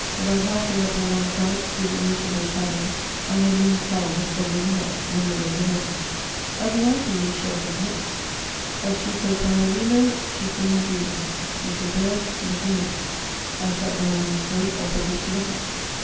About half way up on one side stood a miserable cabin, and a lean cow was wandering about in a meadow below. I delight in these sheltered nooks. *' A chico pajariUo chico nidUlo (Httle bird, little nest). I sat down on the slope opposite to the hut.